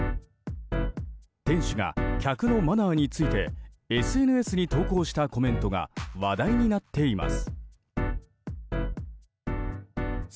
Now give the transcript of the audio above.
店主が客のマナーについてＳＮＳに投稿したコメントが話題になっています。